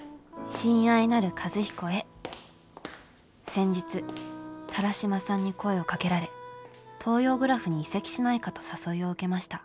先日田良島さんに声をかけられ東洋グラフに移籍しないかと誘いを受けました」。